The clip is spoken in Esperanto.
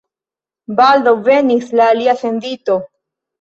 Baldaŭ venis la alia sendito.